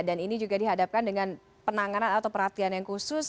dan ini juga dihadapkan dengan penanganan atau perhatian yang khusus